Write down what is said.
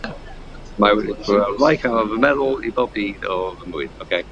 Mae wedi bod yn faich ar fy meddwl i bob dydd o fy mywyd.